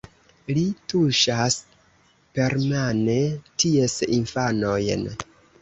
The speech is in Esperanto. Li tuŝas permane ties infanojn.